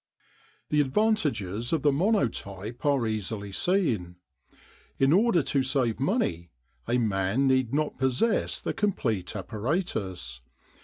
The advantages of the Monotype are easily seen. In order to save money a man need not possess the complete apparatus.